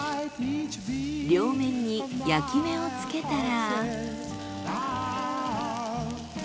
両面に焼き目をつけたら。